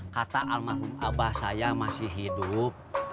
kata almarhum abah saya masih hidup